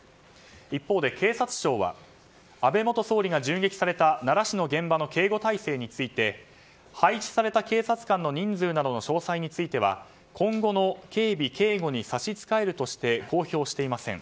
一方で警察庁は安倍元総理が銃撃された奈良市の現場の警護体制について配置された警察官の人数などの詳細については今後の警備・警護に差し支えるとして公表していません。